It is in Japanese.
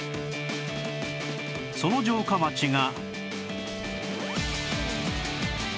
その城下町が